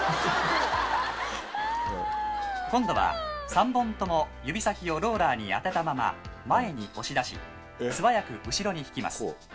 「今度は３本とも指先をローラーに当てたまま前に押し出し素早く後ろに引きます」